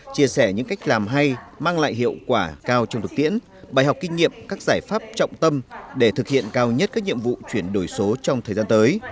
chia sẻ những cách làm hay mang lại hiệu quả cao trong thực tiễn bài học kinh nghiệm các giải pháp trọng tâm để thực hiện cao nhất các nhiệm vụ chuyển đổi số trong thời gian tới